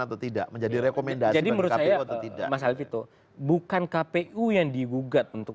atau tidak menjadi rekomendasi jadi menurut saya masalah gitu bukan kpu yang digugat untuk